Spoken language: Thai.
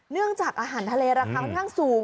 เนื่องจากอาหารทะเลราคาค่อนข้างสูง